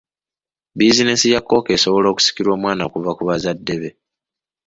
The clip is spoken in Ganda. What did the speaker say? Buzinensi ya kkooko esobola okusikirwa omwana okuva ku muzadde we.